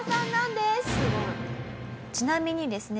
ちなみにですね